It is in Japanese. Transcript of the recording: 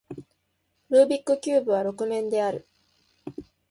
ルービックキューブは六面である